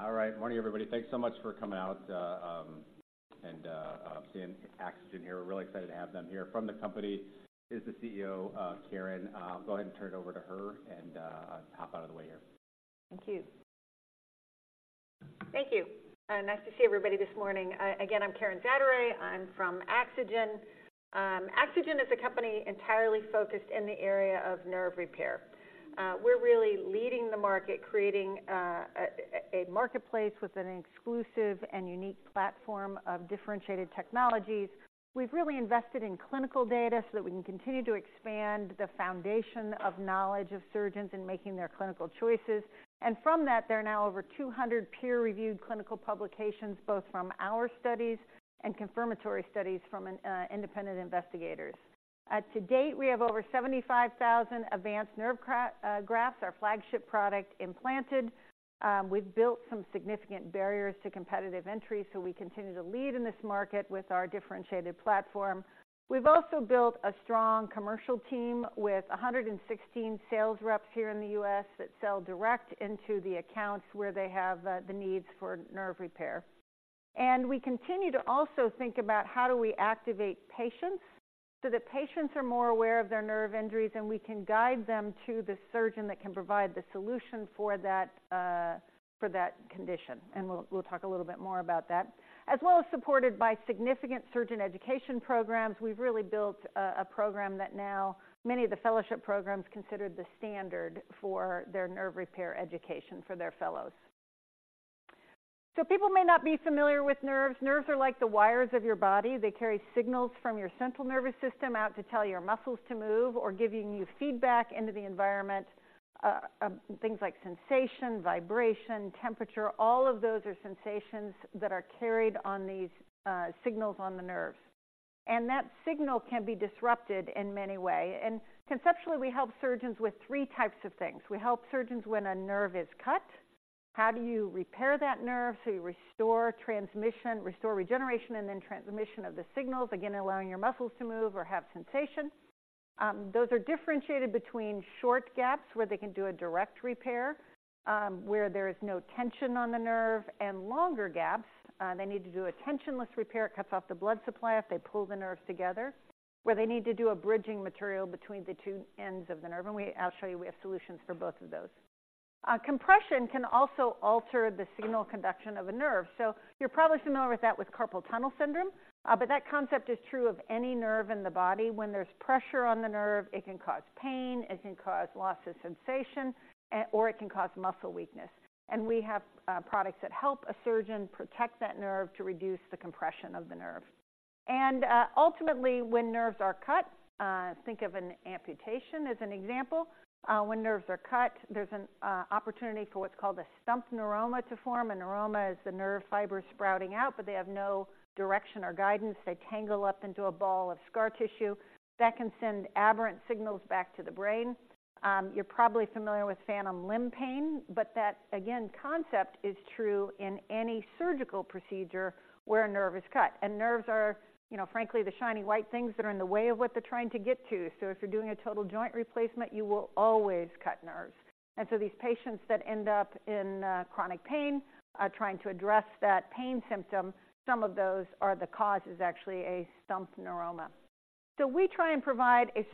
All right. Morning, everybody. Thanks so much for coming out and seeing Axogen here. We're really excited to have them here. From the company is the Chief Executive Officer, Karen. I'll go ahead and turn it over to her and hop out of the way here. Thank you. Thank you, and nice to see everybody this morning. Again, I'm Karen Zaderej. I'm from Axogen. Axogen is a company entirely focused in the area of nerve repair. We're really leading the market, creating a marketplace with an exclusive and unique platform of differentiated technologies. We've really invested in clinical data so that we can continue to expand the foundation of knowledge of surgeons in making their clinical choices. And from that, there are now over 200 peer-reviewed clinical publications, both from our studies and confirmatory studies from independent investigators. To date, we have over 75,000 Avance Nerve Grafts, our flagship product, implanted. We've built some significant barriers to competitive entry, so we continue to lead in this market with our differentiated platform. We've also built a strong commercial team with 116 sales reps here in the U.S. that sell direct into the accounts where they have the needs for nerve repair. We continue to also think about how do we activate patients so that patients are more aware of their nerve injuries, and we can guide them to the surgeon that can provide the solution for that condition. We'll talk a little bit more about that. As well as supported by significant surgeon education programs, we've really built a program that now many of the fellowship programs consider the standard for their nerve repair education for their fellows. So people may not be familiar with nerves. Nerves are like the wires of your body. They carry signals from your central nervous system out to tell your muscles to move or giving you feedback into the environment, things like sensation, vibration, temperature. All of those are sensations that are carried on these signals on the nerves, and that signal can be disrupted in many ways. And conceptually, we help surgeons with three types of things. We help surgeons when a nerve is cut. How do you repair that nerve so you restore transmission, restore regeneration and then transmission of the signals, again, allowing your muscles to move or have sensation? Those are differentiated between short gaps, where they can do a direct repair, where there is no tension on the nerve, and longer gaps. They need to do a tensionless repair. It cuts off the blood supply if they pull the nerves together, where they need to do a bridging material between the two ends of the nerve. I'll show you we have solutions for both of those. Compression can also alter the signal conduction of a nerve. So you're probably familiar with that with carpal tunnel syndrome, but that concept is true of any nerve in the body. When there's pressure on the nerve, it can cause pain, it can cause loss of sensation, or it can cause muscle weakness. We have products that help a surgeon protect that nerve to reduce the compression of the nerve. Ultimately, when nerves are cut, think of an amputation as an example. When nerves are cut, there's an opportunity for what's called a stump neuroma to form. A neuroma is the nerve fibers sprouting out, but they have no direction or guidance. They tangle up into a ball of scar tissue that can send aberrant signals back to the brain. You're probably familiar with phantom limb pain, but that, again, concept is true in any surgical procedure where a nerve is cut. Nerves are, you know, frankly, the shiny white things that are in the way of what they're trying to get to. If you're doing a total joint replacement, you will always cut nerves. These patients that end up in chronic pain are trying to address that pain symptom. Some of those are the cause is actually a stump neuroma. We try and provide a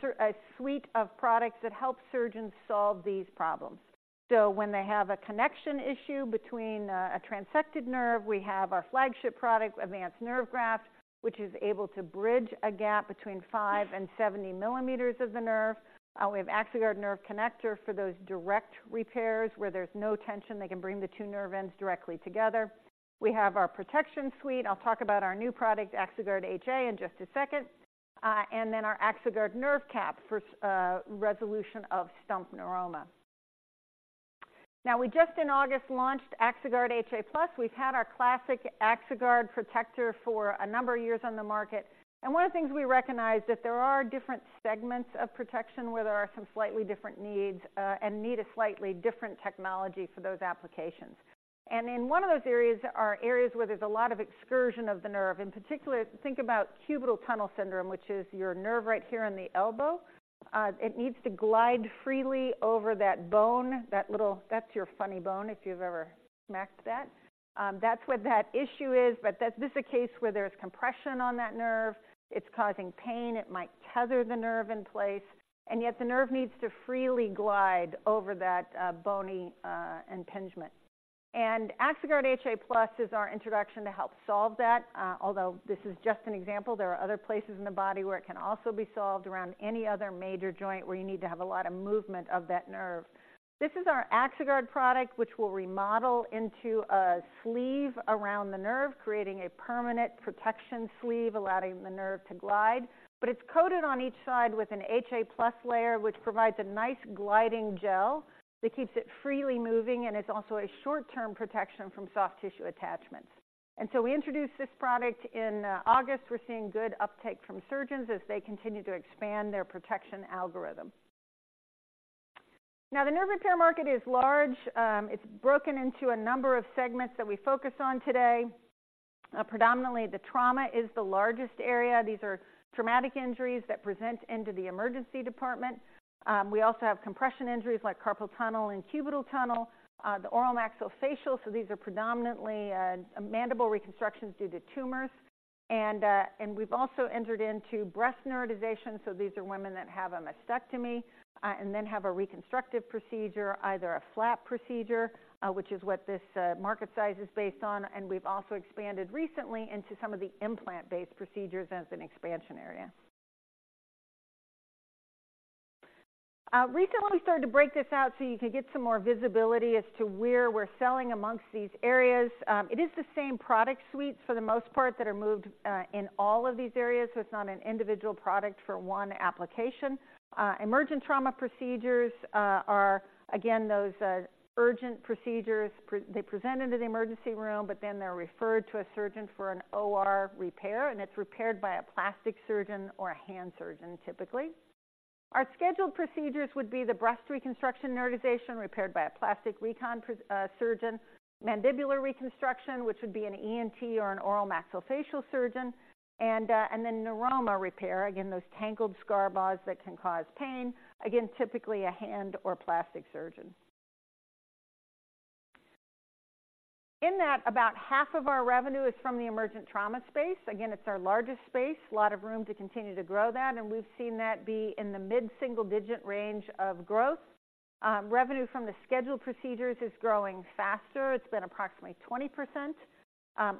suite of products that help surgeons solve these problems. So when they have a connection issue between a transected nerve, we have our flagship product, Avance Nerve Graft, which is able to bridge a gap between 5 to 70 millimeters of the nerve. We have Axoguard Nerve Connector for those direct repairs where there's no tension, they can bring the two nerve ends directly together. We have our protection suite. I'll talk about our new product, Axoguard HA, in just a second. And then our Axoguard Nerve Cap for resolution of stump neuroma. Now, we just in August launched Axoguard HA+. We've had our classic Axoguard protector for a number of years on the market, and one of the things we recognized, that there are different segments of protection where there are some slightly different needs, and need a slightly different technology for those applications. In one of those areas are areas where there's a lot of excursion of the nerve. In particular, think about cubital tunnel syndrome, which is your nerve right here in the elbow. It needs to glide freely over that bone, that's your funny bone, if you've ever smacked that. That's what that issue is, but this is a case where there's compression on that nerve. It's causing pain, it might tether the nerve in place, and yet the nerve needs to freely glide over that bony impingement. Axoguard HA+ is our introduction to help solve that. Although this is just an example, there are other places in the body where it can also be solved around any other major joint where you need to have a lot of movement of that nerve. This is our Axoguard product, which we'll remodel into a sleeve around the nerve, creating a permanent protection sleeve, allowing the nerve to glide. But it's coated on each side with an HA+ layer, which provides a nice gliding gel that keeps it freely moving and is also a short-term protection from soft tissue attachments. And so we introduced this product in August. We're seeing good uptake from surgeons as they continue to expand their protection algorithm. Now, the nerve repair market is large. It's broken into a number of segments that we focus on today, predominantly, the trauma is the largest area. These are traumatic injuries that present into the emergency department. We also have compression injuries like carpal tunnel and cubital tunnel, the oral maxillofacial, so these are predominantly, mandible reconstructions due to tumors. We've also entered into breast neurotization, so these are women that have a mastectomy, and then have a reconstructive procedure, either a flap procedure, which is what this market size is based on, and we've also expanded recently into some of the implant-based procedures as an expansion area. Recently, we started to break this out so you can get some more visibility as to where we're selling amongst these areas. It is the same product suites for the most part that are moved in all of these areas, so it's not an individual product for one application. Emergent trauma procedures are again those urgent procedures. They present into the emergency room, but then they're referred to a surgeon for an OR repair, and it's repaired by a plastic surgeon or a hand surgeon, typically. Our scheduled procedures would be the breast reconstruction neurotization, repaired by a plastic recon surgeon; mandibular reconstruction, which would be an ENT or an oral maxillofacial surgeon; and then neuroma repair, again, those tangled scar balls that can cause pain, again, typically a hand or plastic surgeon. In that, about half of our revenue is from the emergent trauma space. Again, it's our largest space. A lot of room to continue to grow that, and we've seen that be in the mid-single-digit range of growth. Revenue from the scheduled procedures is growing faster. It's been approximately 20%.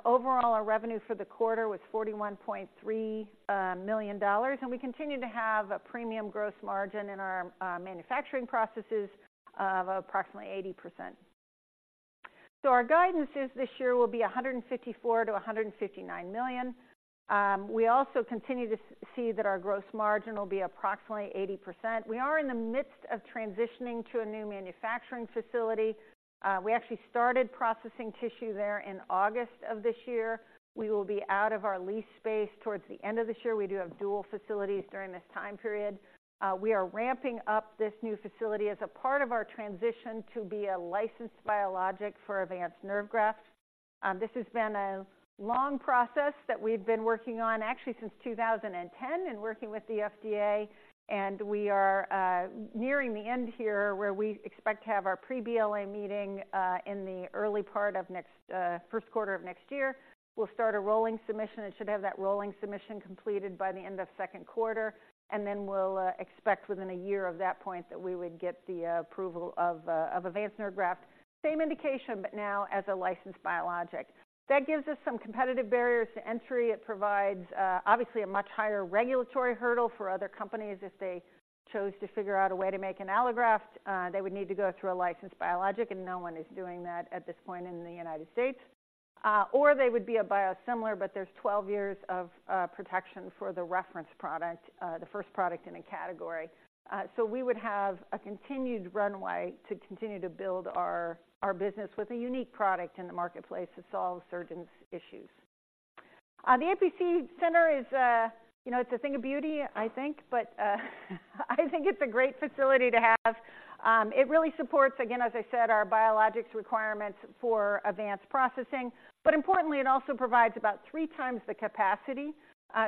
Overall, our revenue for the quarter was $41.3 million, and we continue to have a premium gross margin in our manufacturing processes of approximately 80%. So our guidance is this year will be $154 million to $159 million. We also continue to see that our gross margin will be approximately 80%. We are in the midst of transitioning to a new manufacturing facility. We actually started processing tissue there in August of this year. We will be out of our lease space towards the end of this year. We do have dual facilities during this time period. We are ramping up this new facility as a part of our transition to be a licensed biologic for Avance Nerve Grafts. This has been a long process that we've been working on, actually, since 2010 and working with the FDA, and we are nearing the end here, where we expect to have our pre-BLA meeting in the early part of next first quarter of next year. We'll start a rolling submission, and should have that rolling submission completed by the end of second quarter, and then we'll expect within a year of that point that we would get the approval of Avance Nerve Graft. Same indication, but now as a licensed biologic. That gives us some competitive barriers to entry. It provides, obviously, a much higher regulatory hurdle for other companies. If they chose to figure out a way to make an allograft, they would need to go through a licensed biologic, and no one is doing that at this point in the United States. Or they would be a biosimilar, but there's 12 years of protection for the reference product, the first product in a category. So we would have a continued runway to continue to build our, our business with a unique product in the marketplace to solve surgeons' issues. The APC center is, you know, it's a thing of beauty, I think. But I think it's a great facility to have. It really supports, again, as I said, our biologics requirements for advanced processing, but importantly, it also provides about 3 times the capacity,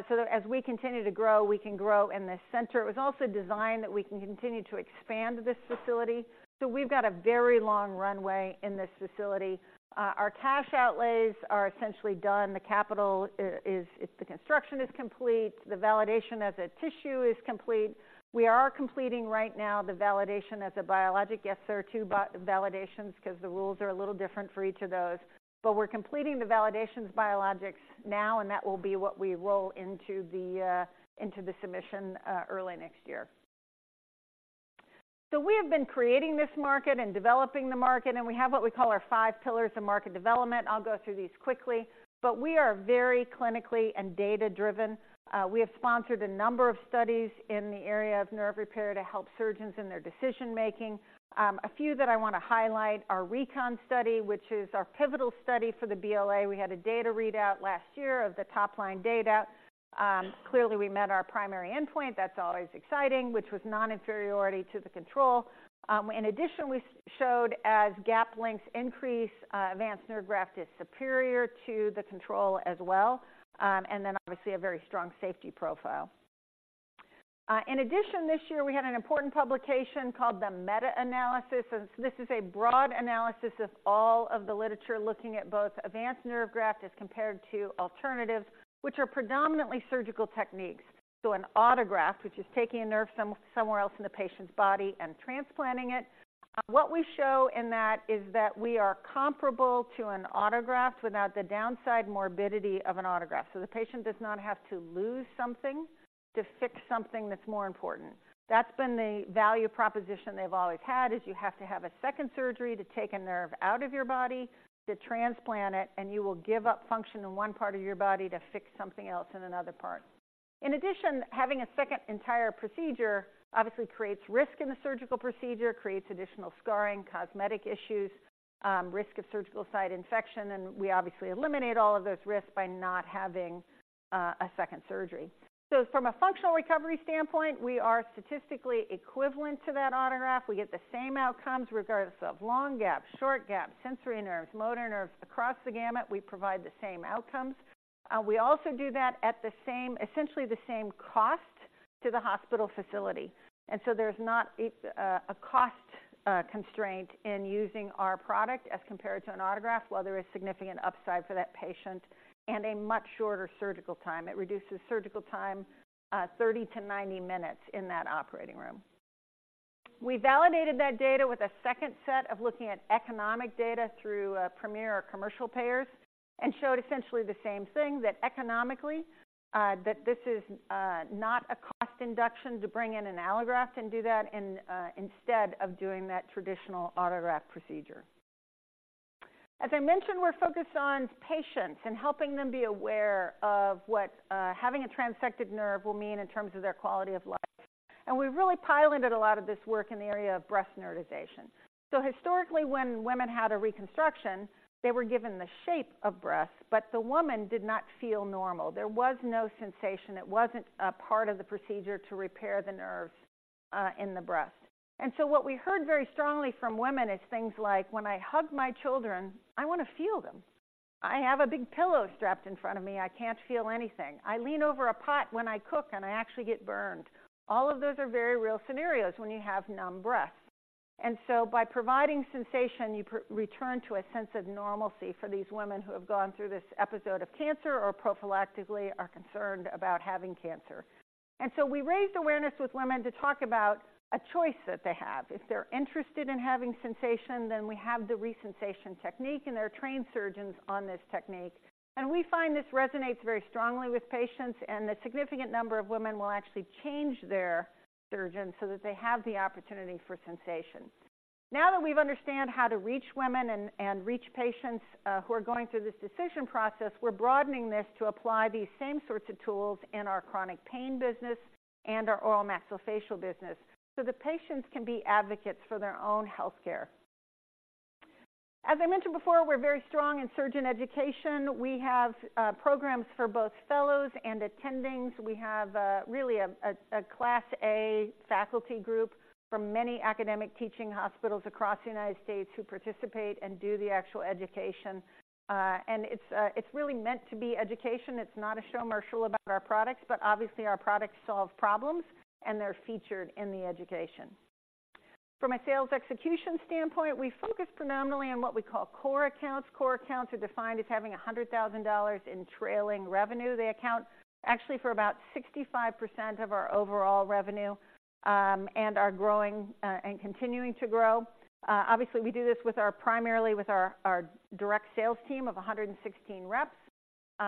so that as we continue to grow, we can grow in this center. It was also designed that we can continue to expand this facility, so we've got a very long runway in this facility. Our cash outlays are essentially done. The capital is the construction is complete. The validation of the tissue is complete. We are completing right now the validation of the biologic. Yes, there are two validations because the rules are a little different for each of those, but we're completing the validations biologics now, and that will be what we roll into the into the submission early next year. So we have been creating this market and developing the market, and we have what we call our five pillars of market development. I'll go through these quickly, but we are very clinically and data driven. We have sponsored a number of studies in the area of nerve repair to help surgeons in their decision making. A few that I want to highlight are RECON Study, which is our pivotal study for the BLA. We had a data readout last year of the top-line data. Clearly, we met our primary endpoint, that's always exciting, which was non-inferiority to the control. In addition, we showed as gap lengths increase, Avance Nerve Graft is superior to the control as well, and then obviously, a very strong safety profile. In addition, this year, we had an important publication called the Meta-Analysis, and so this is a broad analysis of all of the literature looking at both Avance Nerve Graft as compared to alternatives, which are predominantly surgical techniques, so an autograft, which is taking a nerve somewhere else in the patient's body and transplanting it. What we show in that is that we are comparable to an autograft without the downside morbidity of an autograft, so the patient does not have to lose something to fix something that's more important. That's been the value proposition they've always had, is you have to have a second surgery to take a nerve out of your body, to transplant it, and you will give up function in one part of your body to fix something else in another part. In addition, having a second entire procedure obviously creates risk in the surgical procedure, creates additional scarring, cosmetic issues, risk of surgical site infection, and we obviously eliminate all of those risks by not having a second surgery. So from a functional recovery standpoint, we are statistically equivalent to that autograft. We get the same outcomes, regardless of long gaps, short gaps, sensory nerves, motor nerves. Across the gamut, we provide the same outcomes. We also do that at the same, essentially the same cost to the hospital facility. And so there's not a cost constraint in using our product as compared to an autograft, while there is significant upside for that patient and a much shorter surgical time. It reduces surgical time 30 to 90 minutes in that operating room. We validated that data with a second set of looking at economic data through premier commercial payers and showed essentially the same thing, that economically, that this is not a cost induction to bring in an allograft and do that and instead of doing that traditional autograft procedure. As I mentioned, we're focused on patients and helping them be aware of what having a transected nerve will mean in terms of their quality of life. And we've really piloted a lot of this work in the area of breast neurotization. So historically, when women had a reconstruction, they were given the shape of breast, but the woman did not feel normal. There was no sensation. It wasn't a part of the procedure to repair the nerves in the breast. What we heard very strongly from women is things like, "When I hug my children, I want to feel them. I have a big pillow strapped in front of me. I can't feel anything. I lean over a pot when I cook, and I actually get burned." All of those are very real scenarios when you have numb breasts. By providing sensation, you return to a sense of normalcy for these women who have gone through this episode of cancer or prophylactically are concerned about having cancer. We raised awareness with women to talk about a choice that they have. If they're interested in having sensation, then we have the Resensation technique, and there are trained surgeons on this technique. We find this resonates very strongly with patients, and a significant number of women will actually change their surgeon so that they have the opportunity for sensation. Now that we understand how to reach women and reach patients who are going through this decision process, we're broadening this to apply these same sorts of tools in our chronic pain business and our oral maxillofacial business, so the patients can be advocates for their own health care. As I mentioned before, we're very strong in surgeon education. We have programs for both fellows and attendings. We have really a class A faculty group from many academic teaching hospitals across the United States who participate and do the actual education. And it's really meant to be education. It's not a show commercial about our products, but obviously, our products solve problems, and they're featured in the education. From a sales execution standpoint, we focus predominantly on what we call core accounts. Core accounts are defined as having $100,000 in trailing revenue. They account actually for about 65% of our overall revenue, and are growing and continuing to grow. Obviously, we do this primarily with our direct sales team of 116 reps.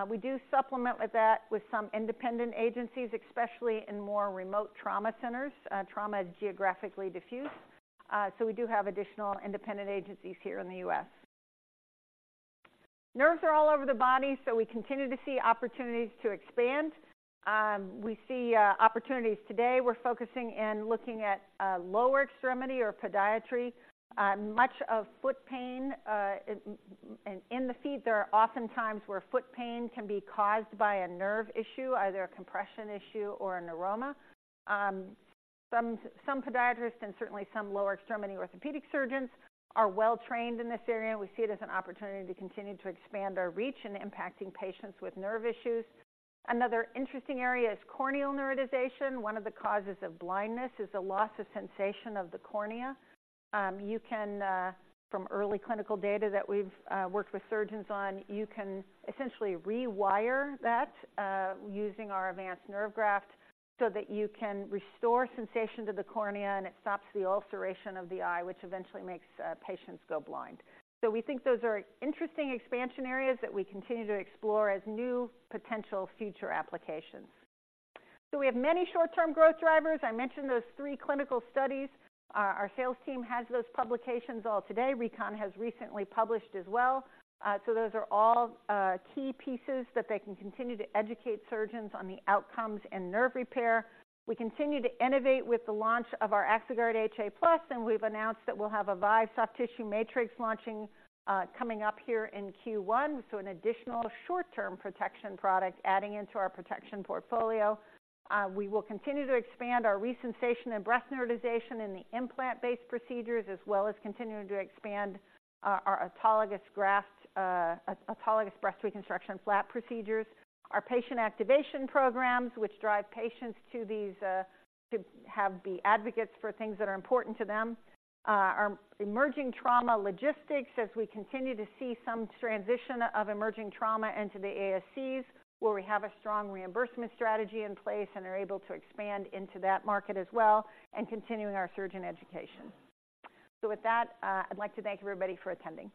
We do supplement that with some independent agencies, especially in more remote trauma centers. Trauma is geographically diffuse, so we do have additional independent agencies here in the U.S. Nerves are all over the body, so we continue to see opportunities to expand. We see opportunities. Today, we're focusing in looking at lower extremity or podiatry. Much of foot pain in the feet, there are often times where foot pain can be caused by a nerve issue, either a compression issue or a neuroma. Some podiatrists and certainly some lower extremity orthopedic surgeons are well-trained in this area, and we see it as an opportunity to continue to expand our reach in impacting patients with nerve issues. Another interesting area is corneal neurotization. One of the causes of blindness is a loss of sensation of the cornea. You can, from early clinical data that we've worked with surgeons on, you can essentially rewire that using our Avance Nerve Graft so that you can restore sensation to the cornea, and it stops the ulceration of the eye, which eventually makes patients go blind. So we think those are interesting expansion areas that we continue to explore as new potential future applications. So we have many short-term growth drivers. I mentioned those three clinical studies. Our sales team has those publications all today. RECON has recently published as well. So those are all key pieces that they can continue to educate surgeons on the outcomes and nerve repair. We continue to innovate with the launch of our Axoguard HA+, and we've announced that we'll have Avive+ Soft Tissue Matrix launching coming up here in Q1, so an additional short-term protection product adding into our protection portfolio. We will continue to expand our Resensation and breast neurotization in the implant-based procedures, as well as continuing to expand our autologous graft autologous breast reconstruction flap procedures. Our patient activation programs, which drive patients to these, to be advocates for things that are important to them. Our emergent trauma logistics, as we continue to see some transition of emergent trauma into the ASCs, where we have a strong reimbursement strategy in place and are able to expand into that market as well, and continuing our surgeon education. So with that, I'd like to thank everybody for attending.